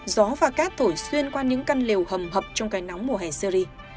gió và cát thổi xuyên qua những căn liều hầm hở trong cái nóng mùa hè syri